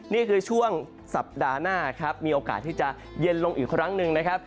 นี่คือช่วงสัปดาห์หน้าครับมีโอกาสที่จะเย็นลงอีกครั้งหนึ่งนะครับ